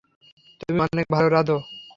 তুমি অনেক ভালো রাঁধো।